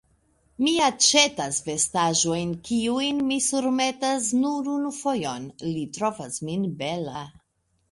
Mi aĉetas vestaĵojn kiujn mi surmetas nur unu fojon: li trovas min bela.